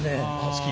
好き？